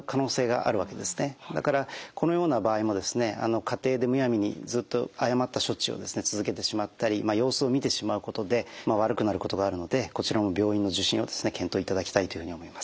だからこのような場合も家庭でむやみにずっと誤った処置を続けてしまったり様子を見てしまうことで悪くなることがあるのでこちらも病院の受診を検討いただきたいというふうに思います。